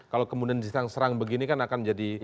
kalau kemudian diserang serang begini kan akan jadi